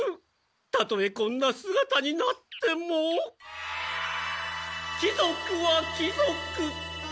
たとえこんなすがたになっても貴族は貴族！